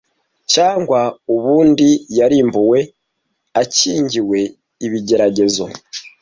cyangwa ubundi yarimbuwe akingiwe ibigeragezo